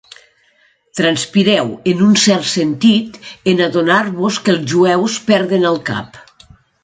Transpireu, en un cert sentit, en adonar-vos que els jueus perden el cap.